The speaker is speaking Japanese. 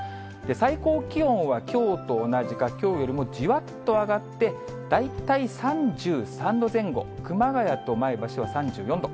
最高気温はきょうと同じか、きょうよりもじわっと上がって、大体３３度前後、熊谷と前橋は３４度。